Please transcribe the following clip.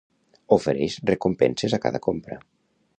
Ofereix recompenses a cada compra